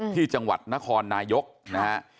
ที่จังหวัดนครนายกนะฮะ